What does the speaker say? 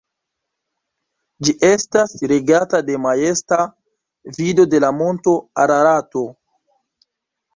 Ĝi estas regata de majesta vido de la monto Ararato.